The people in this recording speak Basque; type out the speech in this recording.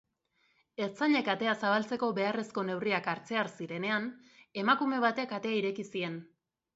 Ertzainek atea zabaltzeko beharrezko neurriak hartzear zirenean, emakume batek atea ireki zien.